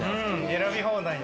選び放題だ。